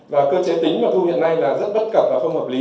và cơ chế tính mà thu hiện nay là rất bất cập và không hợp lý